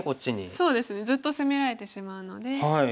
そうですねずっと攻められてしまうので。